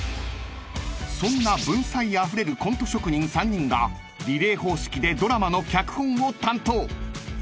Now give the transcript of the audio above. ［そんな文才あふれるコント職人３人がリレー方式でドラマの脚本を担当］